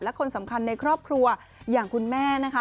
และคนสำคัญในครอบครัวอย่างคุณแม่นะคะ